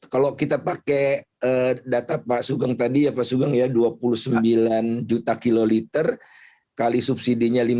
kalau kita pakai data pak sugeng tadi ya dua puluh sembilan juta kiloliter kali subsidi nya lima ribu